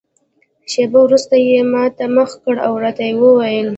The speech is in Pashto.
شېبه وروسته یې ما ته مخ کړ او راته ویې ویل.